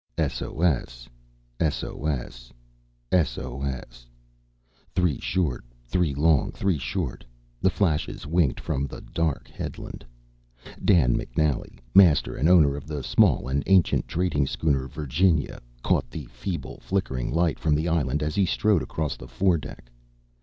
] "S O S. S O S. S O S." Three short, three long, three short, the flashes winked from the dark headland. Dan McNally, master and owner of the small and ancient trading schooner, Virginia, caught the feeble flickering light from the island as he strode across the fore deck.